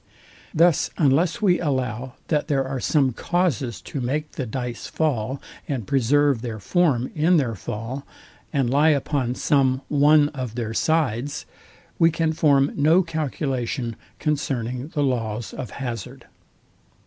Thus unless we allow, that there are some causes to make the dice fall, and preserve their form in their fall, and lie upon some one of their sides, we can form no calculation concerning the laws of hazard.